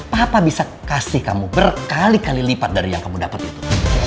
papa bisa kasih kamu berkali kali lipat dari yang kamu dapat itu